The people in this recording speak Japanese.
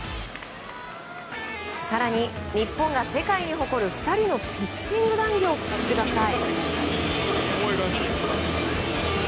更に、日本が世界に誇る２人のピッチング談義をお聞きください。